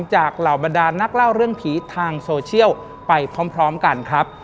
เหล่าบรรดานนักเล่าเรื่องผีทางโซเชียลไปพร้อมกันครับ